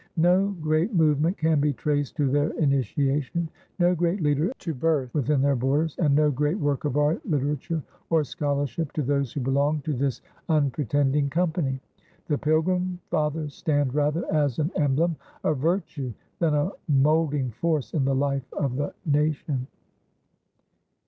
No great movement can be traced to their initiation, no great leader to birth within their borders, and no great work of art, literature, or scholarship to those who belonged to this unpretending company. The Pilgrim Fathers stand rather as an emblem of virtue than a moulding force in the life of the nation.